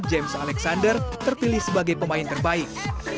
james alexander terpilih sebagai pemain terbaik